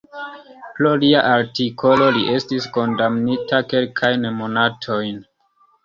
Pro lia artikolo li estis kondamnita kelkajn monatojn.